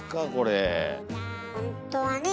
ほんとはね